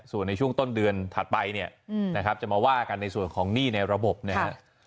ส่วนในช่วงต้นเดือนถัดไปเนี่ยนะครับจะมาว่ากันในส่วนของหนี้ในระบบนะครับ